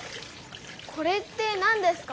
これってなんですか？